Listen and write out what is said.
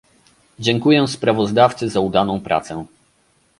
Dziękuję sprawozdawcy za udaną pracę